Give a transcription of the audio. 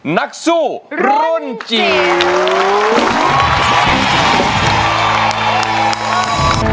นักสู้รุ่นจิ๋ว